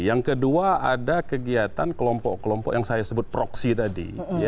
yang kedua ada kegiatan kelompok kelompok yang saya sebut proksi tadi